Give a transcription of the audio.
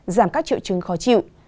giảm các trự trứng khó chịu